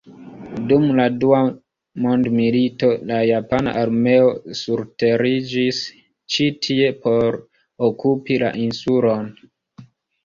Dum la Dua Mondmilito la japana armeo surteriĝis ĉi tie por okupi la insulon.